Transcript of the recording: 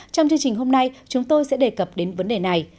trong chương trình hôm nay chúng tôi sẽ đề cập đến vấn đề này